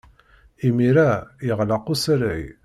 Imir-a, yeɣleq usalay.